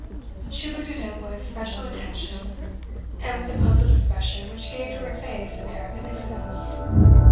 She looked at him with special attention, and with a puzzled expression which gave to her face an air of innocence.